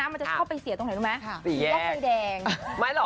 มันจะเข้าไปเสียตรงไหนรู้ไหม